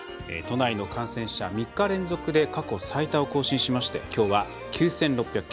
都内の感染者、３日連続で過去最多を更新しましてきょうは９６９９人。